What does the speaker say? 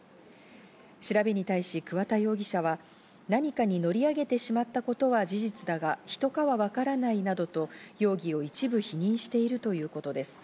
調べに対し桑田容疑者は何かに乗り上げてしまったことは事実だが人かはわからないなどと容疑を一部否認しているということです。